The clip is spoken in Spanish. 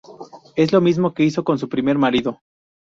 Es lo mismo que hizo con su primer marido.